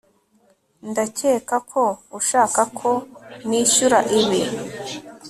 ndakeka ko ushaka ko nishyura ibi